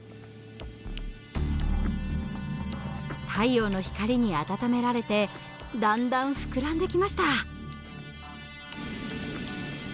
太陽の光に温められてだんだん膨らんできました。